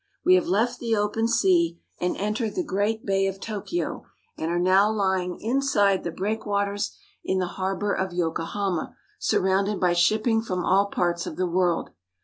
We have left the open sea, and entered the great Bay of Tokyo, and are now lying inside the breakwaters in the harbor of Yokohama sur rounded by shipping from all parts of the world.